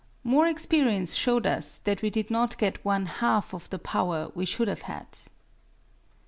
More experience showed us that we did not get one half of the power we should have had.